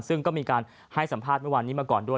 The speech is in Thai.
ซึ่งก็มีการให้สัมภาษณ์เมื่อวานนี้มาก่อนด้วย